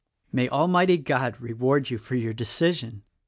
"May Almighty God reward you for your decision!"